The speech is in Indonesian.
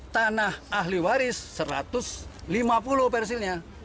tanah ahli waris satu ratus lima puluh persilnya